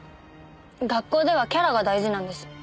学校ではキャラが大事なんです。